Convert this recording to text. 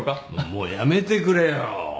もうやめてくれよ！